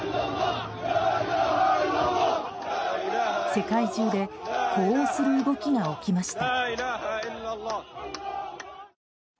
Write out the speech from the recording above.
世界中で呼応する動きが起きました。